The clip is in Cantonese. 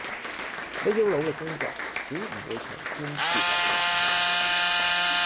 你要努力工作錢唔會從天跌落嚟